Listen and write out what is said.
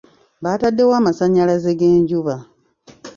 Baataddewo amasannyalaze g'enjuba.